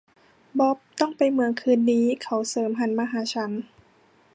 บ๊อบต้องไปเมืองคืนนี้ เขาเสริมหันมาหาฉัน